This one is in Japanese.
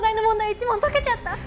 １問解けちゃった！